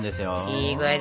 いい具合。